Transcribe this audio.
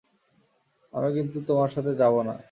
আমি কিন্তু তোমার সাথে যাবো না।